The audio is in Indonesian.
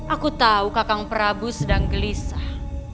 aku tahu kakang prabu sedang gelisah